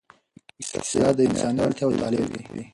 اقتصاد د انساني اړتیاوو تحلیل کوي.